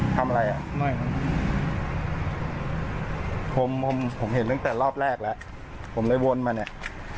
ทำอะไรผมเห็นตั้งแต่รอบแรกแล้วผมเลยวนมาเนี่ย